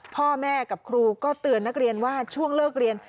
พ่อแม่กับครูก็เตือนนักเรียนว่าช่วงเลิกเรียน